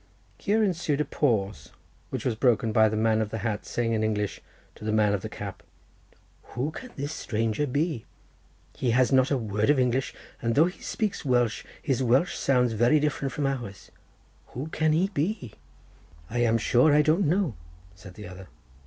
Here ensued a pause, which was broken by the man of the hat saying in English to the man of the cap— "Who can this strange fellow be? he has not a word of English, and though he speaks Welsh, his Welsh sounds very different from ours. Who can he be?" "I am sure I don't know," said the other.